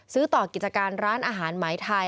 ซื้อต่อกิจการร้านอาหารหมายไทย